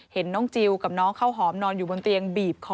เห็นน้องจิลกับน้องข้าวหอมนอนอยู่บนเตียงบีบคอ